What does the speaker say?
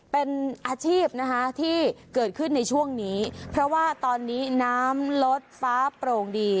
เป็นอาชีพนะคะที่เกิดขึ้นในช่วงนี้เพราะว่าตอนนี้น้ำลดฟ้าโปร่งดี